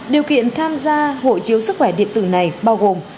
điều kiện tham gia hộ chiếu sức khỏe điện tử này bao gồm